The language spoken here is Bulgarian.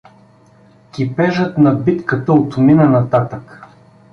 Кипежът на битката отмина нататък.